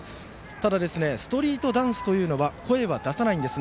ただストリートダンスというのは声は出さないんです。